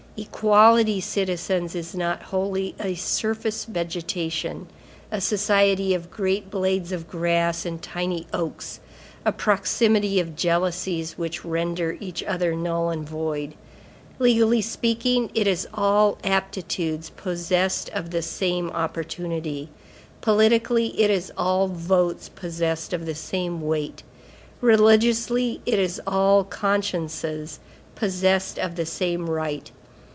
Equality, citizens, is not wholly a surface vegetation, a society of great blades of grass and tiny oaks; a proximity of jealousies which render each other null and void; legally speaking, it is all aptitudes possessed of the same opportunity; politically, it is all votes possessed of the same weight; religiously, it is all consciences possessed of the same right.